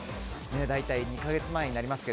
大体２か月前になりますが。